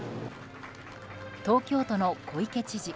東京都の小池知事